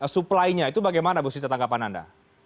suplainya itu bagaimana bu sita tanggapan anda